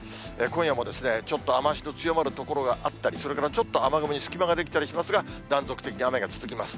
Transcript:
今夜もちょっと雨足の強まる所があったり、それからちょっと雨雲に隙間が出来たりしますが、断続的に雨が続きます。